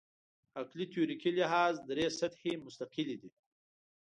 عقلي تیوریکي لحاظ درې سطحې مستقلې دي.